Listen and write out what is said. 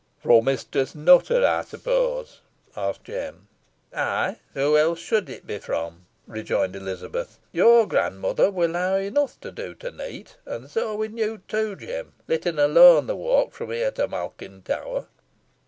"Fro Mistress Nutter, ey suppose?" asked Jem. "Eigh, who else should it be from?" rejoined Elizabeth. "Your gran mother win' ha' enough to do to neet, an so win yo, too, Jem, lettin alone the walk fro here to Malkin Tower."